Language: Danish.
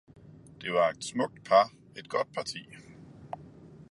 Det var et smukt par, et godt parti.